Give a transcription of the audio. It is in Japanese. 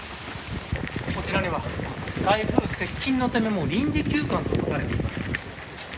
こちらには台風接近のため臨時休館と書かれています。